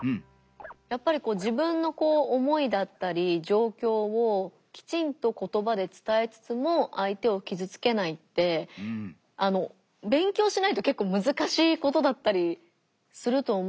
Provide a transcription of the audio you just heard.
やっぱり自分の思いだったり状況をきちんと言葉で伝えつつも相手を傷つけないって勉強しないと結構難しいことだったりすると思うので。